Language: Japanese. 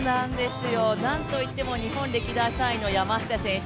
なんといっても日本歴代３位の山下選手